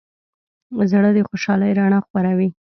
زړه د خوشحالۍ رڼا خوروي.